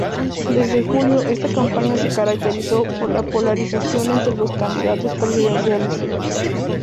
Desde julio, esta campaña se caracterizó por la polarización entre los candidatos presidenciales.